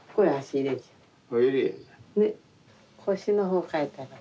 腰の方描いたら。